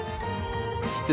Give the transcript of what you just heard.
失礼。